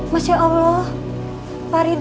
masya allah farida